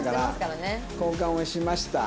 交換をしました。